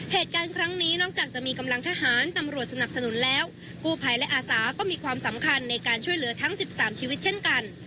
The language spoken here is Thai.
เหตุการณ์ครั้งนี้นอกจากจะมีกำลังทหารตำรวจสนับสนุนแล้วกู้ภัยและอาสาก็มีความสำคัญในการช่วยเหลือทั้ง๑๓ชีวิตเช่นกัน